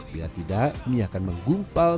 bila tidak mie akan menggumpal